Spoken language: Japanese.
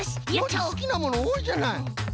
ノージーすきなものおおいじゃない。